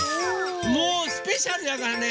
もうスペシャルだからね